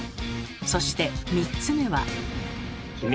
そして３つ目は？